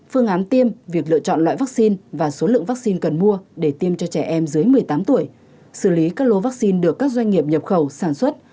phương án tiêm việc lựa chọn loại vaccine và số lượng vaccine cần mua để tiêm cho trẻ em dưới một mươi tám tuổi xử lý các lô vaccine được các doanh nghiệp nhập khẩu sản xuất